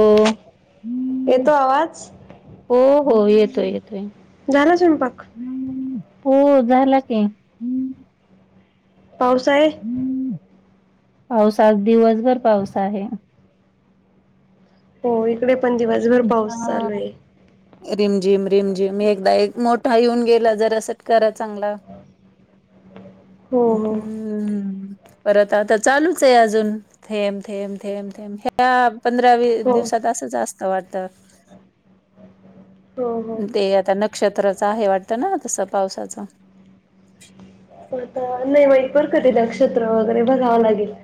हो, येतो आवाज हो हो येतोय येतोय झाला स्वयंपाक हो झाला की. पाऊस आहे? पावसात दिवसभर पाऊस आहे. हो इकडे पण दिवस. ''हं'' हा, रिम झिम रिम झिम एकदा एक मोठा येऊन गेला जर असं करा चांगला. हो हम. हो हम्म परत आता चालूच आहे अजून थेम थेम थेम थेम ह्या. पंधरा विस हो दिवसात असंच असत वाटत. हो हो ते आता नक्षत्राच आहे वाटत ना तस पावसाच. प ता अ नय बाई पण कधी नक्षत्र वगैरे बगाव लगेल.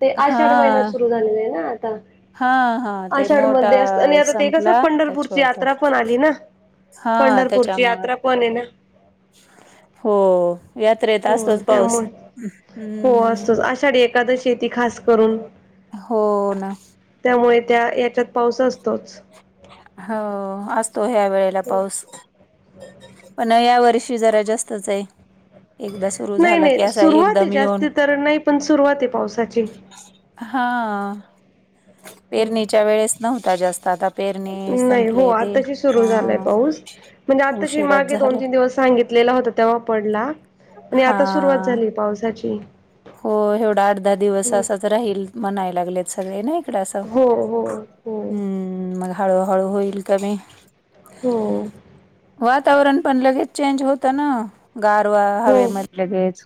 ते आषाढ महिन्यात सुरू झालेले आहे ना आता. हा हा ते आषाढ मोठा मध्ये असत आणि आता ते संपला कसं आता पंढरपूरची छोटा. यात्रा पण आली ना हा पंढरपूरची त्याच्यामुंळ यात्रा पण आहे ना हो. यात्रेत हो असतोच पाऊस. त्यामुळे हो असतोच आषाढी एका. एकादशी येते ती खास करून. हो ना. त्यामुळे त्या याच्यात पाऊस असतोच. हो असतो ह्या वेळेला हो पाऊस. पण या वर्षी जरा जास्तच आहे. एकदा सुरू नाही झाला की नाही असा सुरुवात आहे एकदम येऊन जास्त तर नाही पण सुरुवात आहे पावसाची. हा अ पेरणीच्या वेळेस नव्हता जास्त आता पेर''--'' नी नाही हो संपले ते. आताशी सुरू झालाय पाऊस. म्हणजे आत्ता जी उशिराच मागे दोन झालं. तीन दिवस सांगितलेला होता तेव्हा पडला. नय आता सुरुवात हां. झाली पावसाची. हो एवढा आठ दहा दिवस हम्म. असाच राहील म्हणाय लागलेत सगळे नाही. थोडसा हो हो हो. हम्म मग हळूहळू होईल कमी. हो, वातावरण पण लगेच चेंज होतं ना गारवा हो हवे मध्ये लगेच.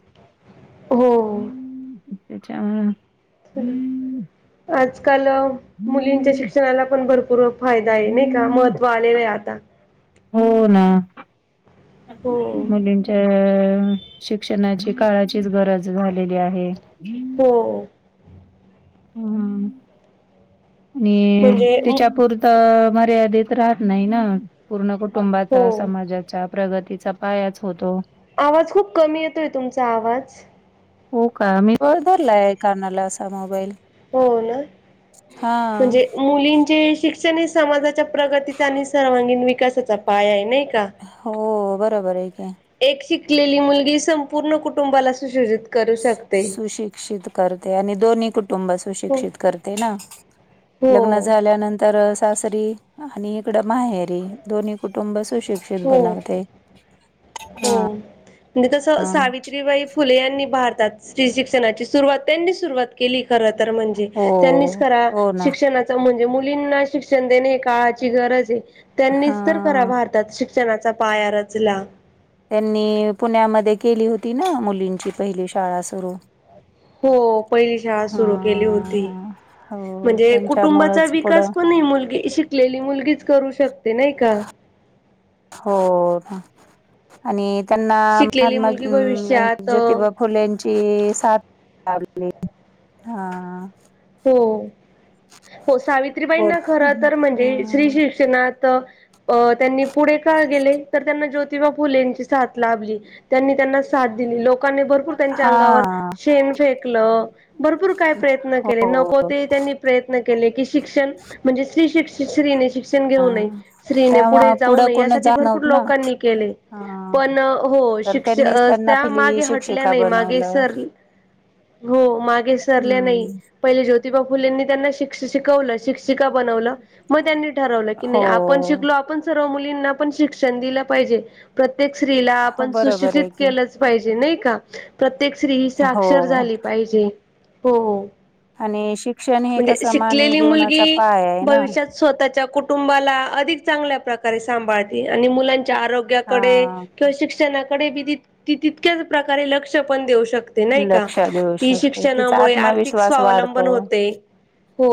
हो हम्म च्या आजकाल मुलींच्या शिक्षणाला पण भरपूर फायदा आहे नाही का महत्त्व आलेलं आहे आता हो ना हो मुलींच्या अ शिक्षणाची काळाचीच गरज झालेली आहे हो ह नी म्हणजे तिच्यापूर त मर्यादित राहत नाही ना पूर्ण हो कुटुंबाचा समाजाच्या प्रगतीचा पायाच होतो आवाज खूप कमी येतोय तुमचा आवाज हो का मी वर धरलाय कानाला असा मोबाईल हो ना हा म्हणजे मुलींचे शिक्षण हे समाजाच्या प्रगतीच आणि सर्वांगीण विकासाचा पाय आहे नाही का? हो बरोबर आहे कि एक शिकलेली मुलगी संपूर्ण कुटुंबाला सुशोजित करू सु शकते. सुशिक्षित करते आणि दोन्ही कुटुंब हो सुशिक्षित करते ना हो लग्नझाल्यानंतर सासरी आणि इकडं माहेरी दोन्ही कुटुंब सुशिक्षित हो बनवते हो हा म्हणजे कस सावि त्रिबाई फुले यांनी भारतात स्त्री शिक्षणाची सुरुवात त्यांनी सुरुवात केली खर तर म्हणजे हो त्यांनीच करा हो ना शिक्षणाचा म्हणजे मुलींना शिक्षण देणे काळाची गरज आहे हा त्यांनीच तर खरा भारतात शिक्षणाचा पाया रचला त्यांनी पुण्यामध्ये केली होती ना मुलींची पहिली शाळा सुरू हो पहिली शाळा हा सुरू केली होती हो म्हणजे कुटुंबाचा त्यांच्यामुळेच विकास पुढं पण ही मुलगी शिकलेली मुलगीच करू शकते नाही का हो आणि त्यांना शिकलेली महात्मा मुलगी भविष्यात ज्योतिबा फुलेंची साथ लाभली हा हो, हो बोल सावित्रीबाईंना खरं तर म्हणजे स्री हा शी शिक्षणात त्यांनी पुढे का गेले तर त्यांना ज्योतिबा फुले साथ लाभली त्यांनी त्यांना साथ दिली लोक लोकांनी भरपूर त्यांच्या हा अंगावर शेण फेकलं भरपूर काय प्रयत्न हो नको ते त्यांनी प्रयत्न केले की स्त्री शिक्षण म्हणजे शिक्ष क्षण हा घेऊ नये स्त्रीने पुढे तेव्हा जाऊ पुढं नये कोण यासाठी जात भरपूर नव्हत ना लोकांनी केलय हा पण हो तर शिक्ष त्यांनीच त्यांना त्या पहिली मागे हटल्या शिक्षिका नाही मागे बनवलं सर हो मागे सरल्या नाही हम्म पहिले ज्योतिबा फुलेंनी त्यांना शिक शिकवलं शिक्षिका बनवल मग त्यांनी ठरवलं की हो नाही आपण शिकलो सर्व मुलींना पण शिक्षण दिलं पाहिजे प्रत्येक स्त्रीला हो आपण बरोबर सुशिक्षित आहे की केलच पाहिजे नाही का प्रत्येक स्त्री हो साक्षर झाली पाहिजे हो आणि शिक्षण हे म्हणजे कसं मानवी शिकलेली जीवनाचा मुलगी पाया आहे ना भविष्यात स्वतःच्या कुटुंबाला अधिक चांगल्या प्रकारे सांभाळती आणि मुलांच्या आरोग्य हा कडे किंवा शिक्षणाकडे तितक्याच प्रकारे लक्ष पण देऊ शक नाही का लक्ष देऊ ती शकते तिचा शिक्षणामुळे आर्थिक आत्मविश्वास स्वावलंबन वाढतो होते हो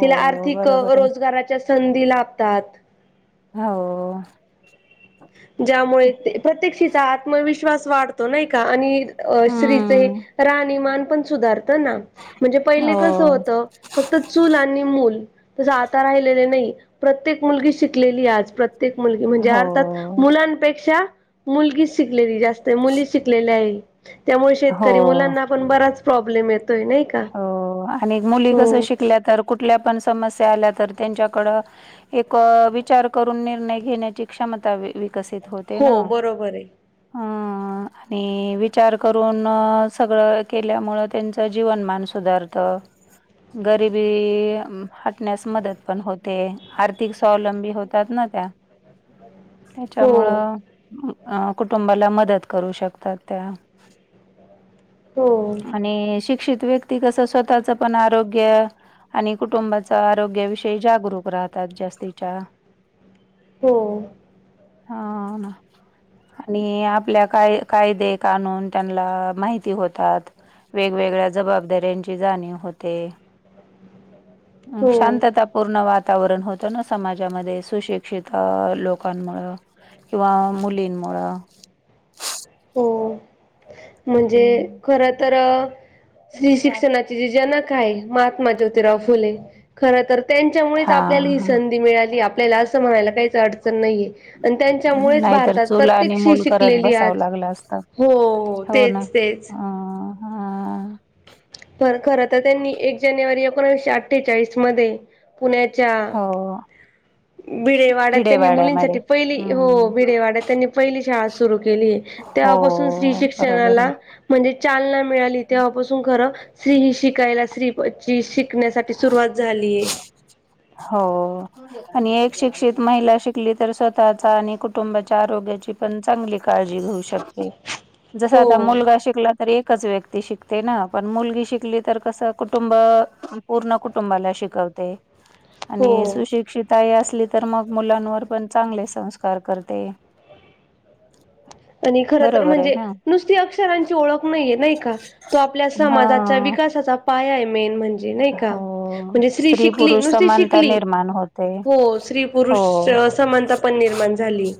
तिला आर्थिक बरोबर आहे रोजगाराच्या संधी लाभतात हो.. ज्यामुळे ते प्रत्येक क्षेत्रात. आत्मविश्वास वाढतो नाही का, आणि अ स्त्रीच हम्म राहणीमान पण सुधारत ना. म्हणजे पहिले हो कसं होतं फक्त चूल आणि मूल. तस आता राहिलेले नाही, प्रत्येक मुलगी शिकलेली आज, प्रत्येक मुलगी म्हणजे, हो अर्थात मुल मुलांपेक्षा, मुलगी शिकलेली, जास्त मुली शिकलेल्या आहे. त्यामुळे शेतकरी हो मुलांना पण बराच प्रॉब्लेम येतोय नाही का? हो आणि मुली हो कस शिकल्या तर, कुठल्या पण समस्या आल्या तर त्यांच्याकडं एक अ विचार करून निर्णय घेण्याची क्षमता वि- विकसित होते ना. हो बरोबर आहे अ आणि विचार करून अ सगळं केल्यामुंळ त्यांच जीवनमान मी सूधारतं. गरीबी अ हटण्यास मदत पण होते, आर्थिक स्वावलंबी होतात ना त्या ह [inaudible] त्याच्यामुळं अं कुटुंबाला मदत करू शकतात त्या हो आणि, शिक्षित व्यक्ती कस स्वतःच पण आरोग्य आणि कुटुंबाचा आरोग्याविषयी जागरूक राहतात जास्तीच्या. हो. हा अ ना आणि आपल्या काय, कायदे कानून त्यांनला माहिती होतात. वेगवेगळ्या जबाबदाऱ्यांची जाणीव होते, अ हो शांतता पूर्ण वातावरण होतं ना समाजामध्ये, सुशिक्षित अ लोकांमुळं. किंवा मुलींमुळं हो म्हणजे हम्म. खर तर स्त्री शिक्षणा ते ज- जनक आहे महात्मा ज्योतिराव फुले. खर तर त्यांच्यामुळेच हा आपल्याला ही हा संधी मिळाली आपल्याला असं म्हणायला काहीच अडचण नाहीये. आणि त्यांच्यामुळेच भारतात प्रत्येक स्त्री शिकलेलीये आज. फुल असतात. हो ओ तेच तेच. हां. तर खर तर त्यांनी एक जानेवारी एकोणीवीशे अठ्ठेचाळीस मध्ये पुण्याच्या हो. [inaudible] भिडेवाड्यात त्यांनी भिडेवाड्यामध्ये. मुलींसाठी पहिली हो हम्म. भिडेवाड्यात त्यांनी पहिली शाळा सुरू केलीये. हो तेव्हापासून स्त्री बरोबर शिक्षणाला आहे. म्हणजे चालना मिळाली तेव्हापासून खरं स्त्री ही शिकायला स्त्री स्त्री श शिकण्यासाठी सुरुवात झाली हो. आणि एक शिकक्षित महिला शिकली तर स्वतःचा आणि कुटुंबाच्या आरोग्याची पण चांगली काळजी घेऊ शकते. जस हो आता मुलगा शिकला तर एक एकच व्यक्ती शिकते ना पण मुलगी शिकली तर कसं कुटुंब पूर्ण कुटुंबाला शिकवते. आणि हो सुशिक्षित आई असली तर मग मुलांवर पण चांगले संस्कार करते. आणि खर तर बरोबर आहे म्हणजे ना? नुसती अक्षरांची ओळख नाहीये नाही का तो आपल्या समाजाच्या हां. विकासाचा पाया आहे मेन म्हणजे जे नाही का? हो म्हणजे स्त्री शिकली पुरुष नुसती समानता शिकली निर्माण होते हो स्त्री हो पुरुष अ समानता पण निर्माण झाली.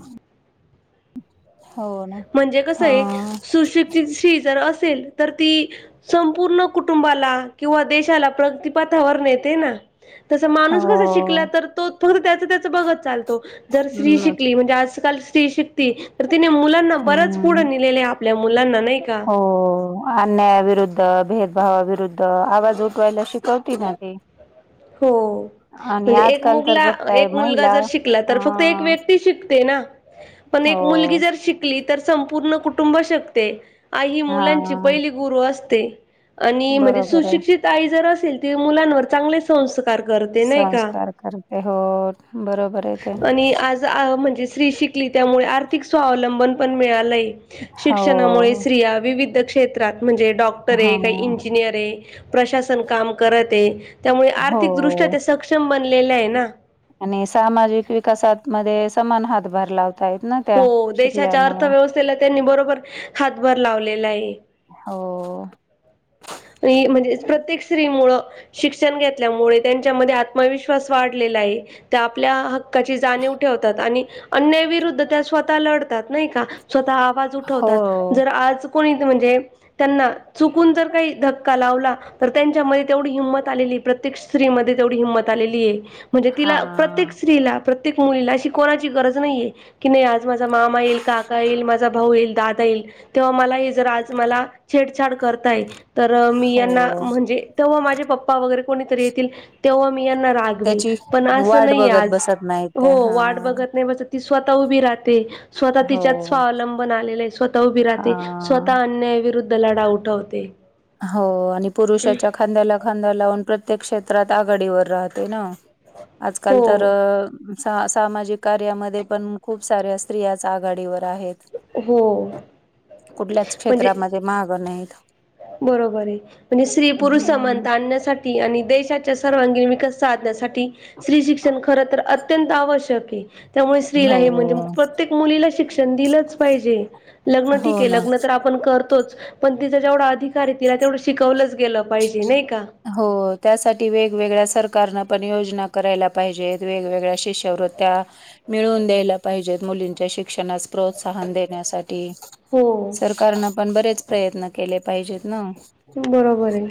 हो ना म्हणजे हा कसंये सुशिक्षित स्त्री जर असेल. तर ती संपूर्ण कुटुंबाला किंवा देशाला प्रगतीपथावर नेते ना. तस माणूस हो कसा शिकला तर तो फक्त त्याच त्याच बघत चालतो. जर स्त्री हम्म शिकली. म्हणजे आजकाल स्त्री शिकती. तर तिने मुलांना बरच पुढे हम्म नेलेलय. आपल्या मुलांना नाही का? हो. अन्यायाविरुद्ध, भेदभावाविरुद्ध आवाज उठवायला शिकवती ना ती. हो. आणि म्हणजे एक आजकाल तर मुगला बघताय एक मुलगा महिला जर, शिकला अ तर, फक्त एक व्यक्ती शिकते ना? पण एक हो मुलगी जर शिक ते तर संपूर्ण कुटुंब शकते. आई ही हा मुलांची पहिली गुरु असते. आणि म्हणजे बरोबर आहे सुशिक्षित आई जर असेल, ती मुलांवर चांगले संस् स्कार करते नाही का? संस्कार करते हो बरोबर आहे ते आणि आज म्हणजे स्त्री शिकली त्यामुळे आर्थिक स्वावलंबन पण मिळालंय. हो शिक्षणामुळे स्त्रिया विविध क्षेत्रात म्हणजे हा डॉक्टरे काही इंजिनियरे. प्रशासन काम करते. त्यामुळे आर्थिकदृष्ट्या हो त्या सक्षम बनलेल्याय ना. आणि सामाजिक विकासात मध्ये समान हातभार लाव हो देशाच्या अर्थव्यवस्थेला त्यांनी, बरोबर हातभार लावलेलाय. हो. स्त्री म्हणजेच प्रत्येक स्त्री मुळ शिक्षण घेतल्यामुळे त्यांच्यामध्ये आत्मविश्वास वाढलेलाय. त्या आपल्या ह क्काची जाणीव ठेवतात. आणि अन्याविरुद्ध त्या स्वतः लढतात नाही का? स्वतः आवाज हो उठवतात. जर आज कोणी म्हणजे त्यांना चुकून जर काही धक्का लावला. तर त्यांच्यामध्ये तेवढी हिंमत आलेलीय. प्रत्येक स्त्रीमध्ये तेवढी हिंमत आलेलीय. म्हणजे तिला. प्रत्येक हा. स्त्रीला, प्रत्येक मुलीला अशी कोणाची गरज नाहीये. कि नाही आज माझा मामा येईल. काका येईल. माझा भाऊ येईल. दादा येईल. तेव्हा मला हे जर आज मला छेडछाड करताय. तर मी यांना हो म्हणजे तेव्हा माझे पप्पा वगैरे कोणीतरी येतील. तेव्हा मी यांना रा गवेल. त्याची पण अस वाट नाही बघत आज, बसत नाहीत हो त्या हा वाट बघत नाही बसत. ती स्वतः उभी राहते. स्वतः हो तिच्यात स्वावलंबन आलेलं आहे. स्वतः उभी राहते. स्वतः हा. अन्याय विरुद्ध लढा उठवते. हो आणि पुरुषाच्या खांद्याला खांदा लावून. प्रत्येक क्षेत्रात आघाडीवर राहते ना. आजकाल हो तर सा सामाजिक कार्यामध्ये पण खूप साऱ्या स्त्रियाच आघाडीवर आहेत. हो कुठल्याच क्षेत्रामध्ये माघ नाहीत. बरोबरे. म्हणजे स्त्री पुरुष हम्म समानता आणण्यासाठी. आणि देशाच्या सर्वांगीण विकास साधण्यासा ठी. स्त्री शिक्षण खर तर अत्यंत आवश्यके. त्यामुळे स्त्रीला हो हे, म्हणजे प्रत्येक मुलीला शिक्षण दिलंच पाहिजे. लग्न हो ठीके ना. लग्न तर आप पण करतोच. पण तिचा जेवढा अधिकारे, तिला तेवढं शिकवलंच गेलं पाहिजे नाही का? हो त्यासाठी वेगवेगळ्या सरकारनं पण योजना करायला पाहिजेत. वेगवेगळ्या शिष्यवृत्त्या मिळवून द्यायला पाहिजेत. मुलींच्या शिक्षणास प्रोत्साहन देण्यासाठी. हो. सरकारनं पण बरेच प्रयत्न केले पाहिजेत ना? बरोबर हाय.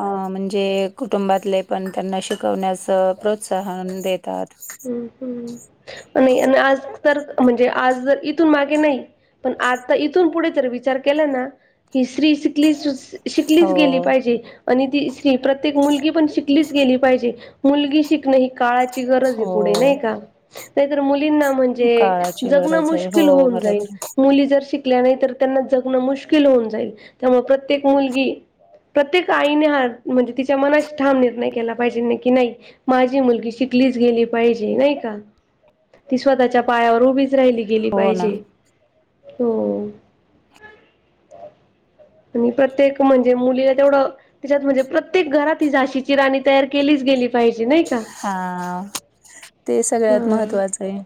अ म्हणजे कुटुंबातले पण त्यांना शिकवण्याच प्रोत्साहन देतात. हम्म, हम्म. [inaudible] नाही आण आज तर म्हणजे आज इथून मागे नाही. पण आता इथून पुढे जर विचार केला ना ही श्री शिकली सुशित ''--'' हो शिकलीच गेली पाहिजे आणि ती स्त्री प्रत्येक मुलगी पण शिकलीच गेली पाहिजे मुलगी शि''--'' नाही काळाची गरज आहे पुढे हो नाही का. का नाही तर मुलींना म्हणजे काळाची जगणं गरज आहे मुश्किल हो होऊन बरोबर जाईल आहे. मुली जर शि''--'' कल्या नाही तर त्यांना जगणं मुश्किल होऊन जाईल त्यामुळे प्रत्येक मुलगी. प्रत्येक आईने हा म्हणजे तिच्या मनाशी ठाम निर्णय केला पाहिजे नाही की नाही. माझी मुलगी शिकलीच गेली. पाहिजे नाही का ती स्वतःच्या पायावर उभीच राहिली गेली हो ना पाहिजे. हो, आणि प्रत्येक म्हणजे मुलीला तेवढं. तिच्यात म्हणजे प्रत्येक घरात ही झाशीची राणी तयार केलीच गेली पाहिजे नाही का. हा ते सगळ्यात हा महत्त्वाचं हाय.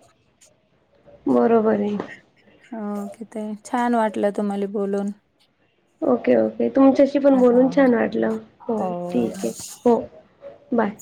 बरोबर आहे. ओके ताई छान वाटलं तुम्हाले बोलून. ओके ओके तुमच्याशी पण हो बोलून छान वाटलं हो ठीक आहे हो. बाय.